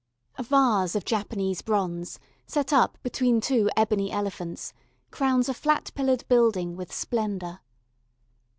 A vase of Japanese bronze set up between two ebony elephants crowns a flat pillared building with splendour.